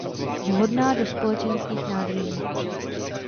Vhodná do společenských nádrží.